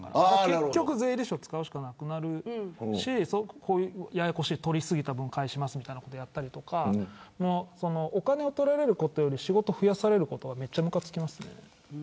結局税理士を使うしかなくなるし取りすぎた分を返しますみたいなことやったりお金を取られることより仕事を増やされることがめっちゃむかつきます。